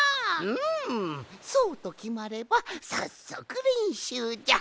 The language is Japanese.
んそうときまればさっそくれんしゅうじゃ。